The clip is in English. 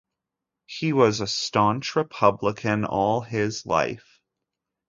He was a staunch Republican all his life.